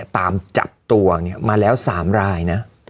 ตามจับตัวเนี่ยมาแล้วสามรายนะ